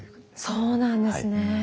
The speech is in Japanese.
そうなんですね。